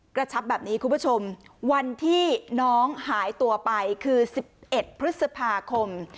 กระชับแบบนี้คุณผู้ชมวันที่น้องหายตัวไปคือ๑๑พฤษภาคม